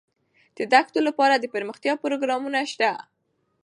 د دښتو لپاره دپرمختیا پروګرامونه شته.